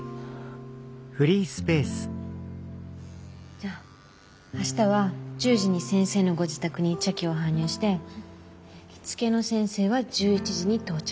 じゃあ明日は１０時に先生のご自宅に茶器を搬入して着付けの先生は１１時に到着。